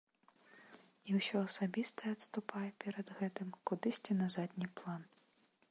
І ўсё асабістае адступае перад гэтым кудысьці на задні план.